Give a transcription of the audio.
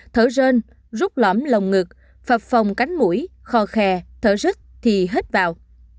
thở rên rút lõm lòng ngực phập phòng cánh mũi kho khe thở rứt thì hết vào